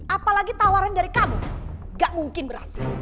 apalagi tawaran dari kamu gak mungkin berhasil